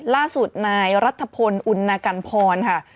ล่าสุดนายรัฐพลอุณกันพรค่ะ